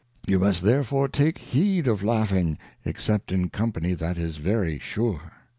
You must therefore take heed of Laughing, except in Company that is very sure.